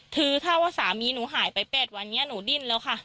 คือถ้าว่าสามีหนูหายไป๘วันนี้หนูดิ้นแล้วค่ะ